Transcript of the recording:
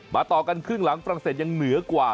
ต่อกันครึ่งหลังฝรั่งเศสยังเหนือกว่า